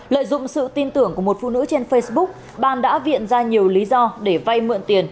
lợi dụng sự tin tưởng của một phụ nữ trên facebook ban đã viện ra nhiều lý do để vay mượn tiền